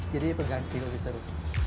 jadi pengganti lebih seru